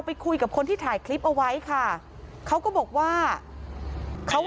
ไปคุยกับคนที่ถ่ายคลิปเอาไว้ค่ะเขาก็บอกว่าเขา